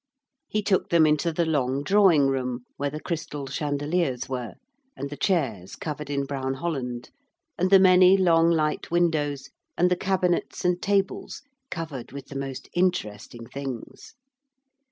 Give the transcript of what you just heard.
He took them into the long drawing room where the crystal chandeliers were, and the chairs covered in brown holland and the many long, light windows, and the cabinets and tables covered with the most interesting things.